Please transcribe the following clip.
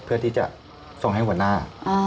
เพื่อที่จะส่งให้หัวหน้า